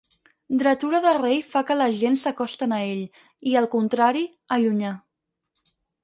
Dretura de rei fa que les gents s'acosten a ell, i el contrari, allunyar.